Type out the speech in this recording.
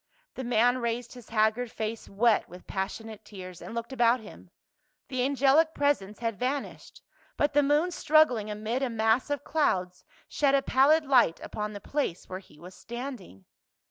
The man raised his haggard face wet with passionate tears and looked about him ; the angelic presence had vanished, but the moon strug gling amid a mass of clouds shed a pallid light upon the place where he was standing.